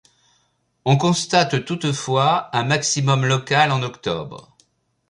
On constate toutefois un maximum local en octobre.